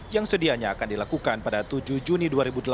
yang sedianya akan dilakukan pada tujuh juni dua ribu delapan belas